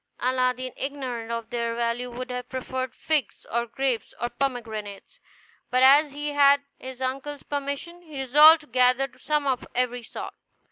Aladdin, ignorant of their value, would have preferred figs, or grapes, or pomegranates; but as he had his uncle's permission, he resolved to gather some of every sort.